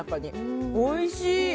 おいしい！